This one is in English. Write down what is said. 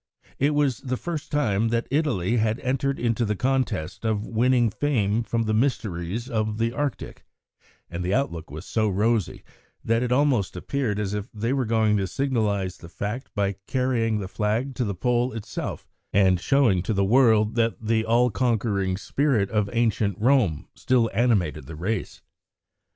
It was the first time that Italy had entered into the contest of winning fame from the mysteries of the Arctic, and the outlook was so rosy that it almost appeared as if they were going to signalise the fact by carrying the flag to the Pole itself and showing to the world that the all conquering spirit of ancient Rome still animated the race.